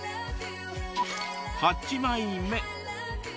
８枚目。